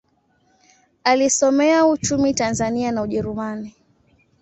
Alisomea uchumi Tanzania na Ujerumani.